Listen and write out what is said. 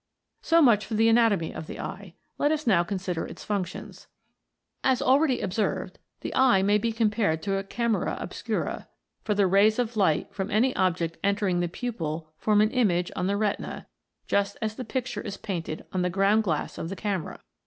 So much for the anatomy of the eye j let us now consider its functions. As already observed, the eye may be compared to a camera obscura, for the rays of light from any object entering the pupil form an image on the retina, just as the picture is painted on the ground glass of the camera.